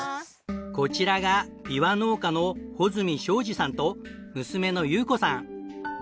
こちらがビワ農家の穂積昭治さんと娘の優子さん。